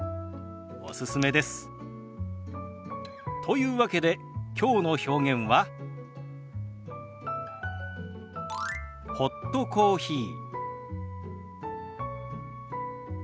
というわけできょうの表現は「ホットコーヒー」。